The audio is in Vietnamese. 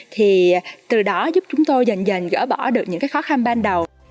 thì từ đó giúp chúng tôi dần dần gỡ bỏ được những cái khó khăn ban đầu